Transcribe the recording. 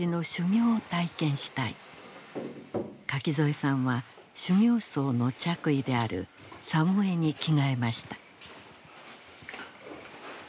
垣添さんは修行僧の着衣である作務衣に着替えました。